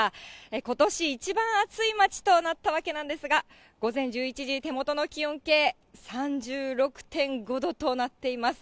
ことし一番暑い町となったわけなんですが、午前１１時、手元の気温計、３６．５度となっています。